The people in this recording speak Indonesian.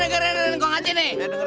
dengerin kong haji nih